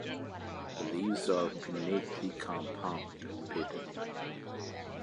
The leaves are pinnately compound and papery.